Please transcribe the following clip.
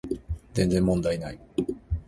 全然問題ない